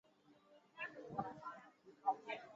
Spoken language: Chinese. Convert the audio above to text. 但它们比较接近杂食动物。